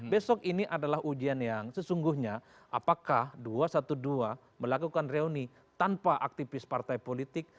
besok ini adalah ujian yang sesungguhnya apakah dua ratus dua belas melakukan reuni tanpa aktivis partai politik